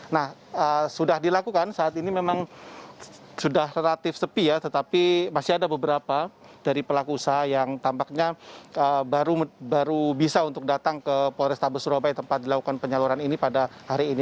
nah sudah dilakukan saat ini memang sudah relatif sepi ya tetapi masih ada beberapa dari pelaku usaha yang tampaknya baru bisa untuk datang ke polrestabes surabaya tempat dilakukan penyaluran ini pada hari ini